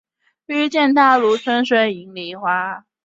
是少数可修读此科之学校之一。